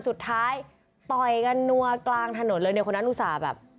สุดท้ายต่อยกันนัวกลางถนนเลยเนี่ยคนนั้นอุตส่าห์แบบ